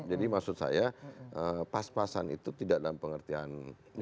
jadi maksud saya pas pasan itu tidak dalam pengertian